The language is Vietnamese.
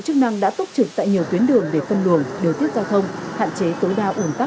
chứ không có chiều bằng năm ngoái nữa